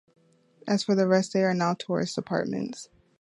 As for the rest they are now tourist apartments.